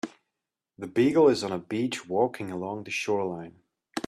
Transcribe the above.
The beagle is on a beach walking along the shoreline